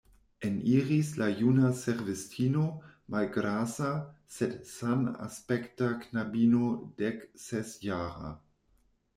Eniris la juna servistino, malgrasa, sed sanaspekta knabino deksesjara.